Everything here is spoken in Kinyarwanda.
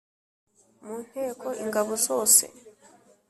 mu nteko ingabo zose